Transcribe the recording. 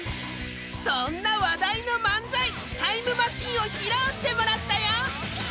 そんな話題の漫才「タイムマシーン」を披露してもらったよ！